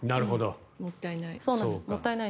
もったいない。